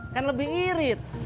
kan lebih irit